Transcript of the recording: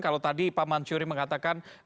kalau tadi pak mansuri mengatakan